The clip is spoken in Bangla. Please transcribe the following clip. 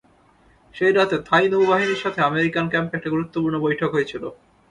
সেই রাতে, থাই নৌবাহিনীর সাথে আমেরিকান ক্যাম্পে একটা গুরুত্বপূর্ণ বৈঠক হয়েছিল।